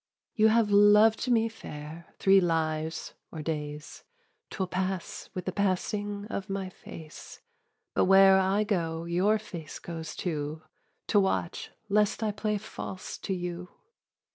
"You have loved me, Fair, three lives or days: 'Twill pass with the passing of my face. But where I go, your face goes too, To watch lest I play false to you.